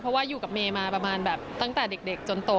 เพราะว่าอยู่กับเมมานะประมาณแต่เด็กจนโต